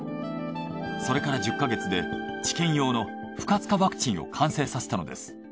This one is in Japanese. それから１０ヵ月で治験用の不活化ワクチンを完成させたのです。